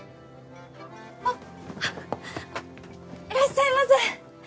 あっいらっしゃいませ！